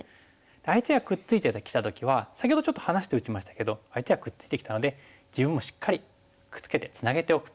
相手がくっついてきた時は先ほどちょっと離して打ちましたけど相手がくっついてきたので自分もしっかりくっつけてツナげておく。